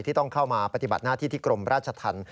ที่ต้องเข้ามาปฏิบัติหน้าที่ที่กรมราชธรรม